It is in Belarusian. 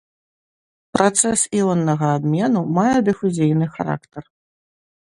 Працэс іоннага абмену мае дыфузійны характар.